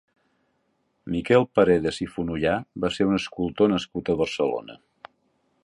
Miquel Paredes i Fonollà va ser un escultor nascut a Barcelona.